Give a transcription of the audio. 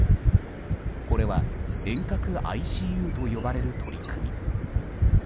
これは遠隔ＩＣＵと呼ばれる取り組み。